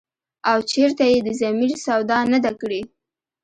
او چرته ئې د ضمير سودا نه ده کړې ۔”